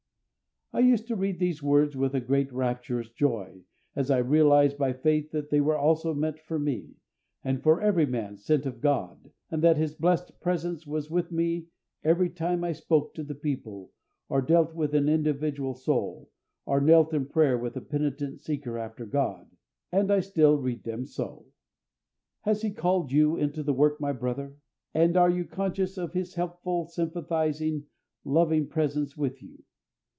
I used to read these words with a great and rapturous joy, as I realised by faith that they were also meant for me, and for every man sent of God, and that His blessed presence was with me every time I spoke to the people or dealt with an individual soul, or knelt in prayer with a penitent seeker after God; and I still read them so. Has He called you into the work, my brother? And are you conscious of His helpful, sympathising, loving presence with you?